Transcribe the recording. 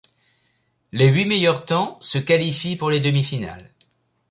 Les huit meilleurs temps se qualifient pour les demi-finales.